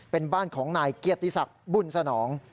เป็นบ้านของนายเกียรติศักดิ์บุญสนอง